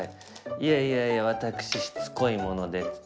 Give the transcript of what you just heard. いやいやいや私しつこいものでっつって。